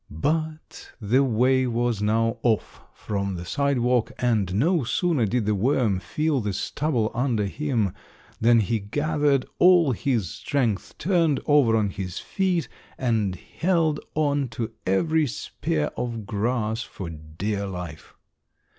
But the way was now off from the sidewalk, and no sooner did the worm feel the stubble under him than he gathered all his strength, turned over on his feet, and held on to every spear of grass for dear life.